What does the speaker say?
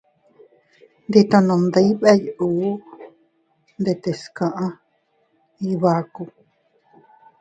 Nditono ndibey uu ndetes kaʼa Iybaku.